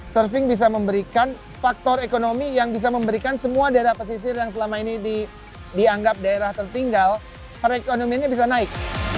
surfing bisa memberikan faktor ekonomi yang bisa memberikan semua daerah pesisir yang selama ini dianggap daerah tertinggal perekonomiannya bisa naik